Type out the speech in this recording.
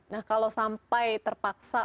nah kalau sampai terpaksa